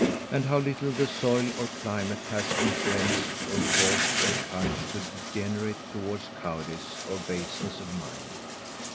_And how little the Soil or Climate hath influenced or caused their Courage to degenerate towards cowardize or baseness of mind.